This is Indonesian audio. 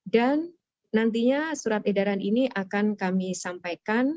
dan nantinya surat edaran ini akan kami sampaikan